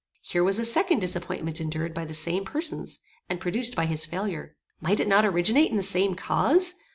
Here was a second disappointment endured by the same persons, and produced by his failure. Might it not originate in the same cause?